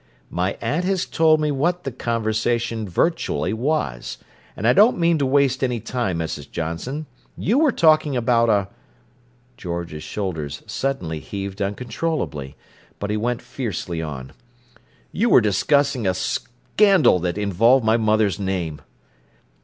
"My aunt has told me what the conversation virtually was, and I don't mean to waste any time, Mrs. Johnson. You were talking about a—" George's shoulders suddenly heaved uncontrollably; but he went fiercely on: "You were discussing a scandal that involved my mother's name."